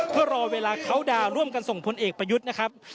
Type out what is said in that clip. เพื่อรอเวลาเขาดาวร่วมกันส่งพลเอกประยุทธ์นะครับ